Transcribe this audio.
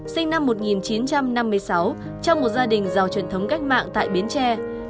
sinh năm một nghìn chín trăm năm mươi sáu trong một gia đình giàu truyền thống cách mạng tại bến tre